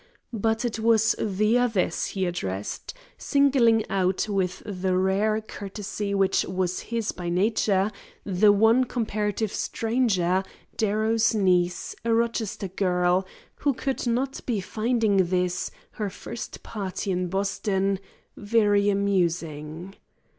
But it was the others he addressed, singling out, with the rare courtesy which was his by nature, the one comparative stranger, Darrow's niece, a Rochester girl, who could not be finding this, her first party in Boston, very amusing.